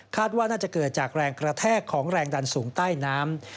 ว่าน่าจะเกิดจากแรงกระแทกของแรงดันสูงใต้น้ำ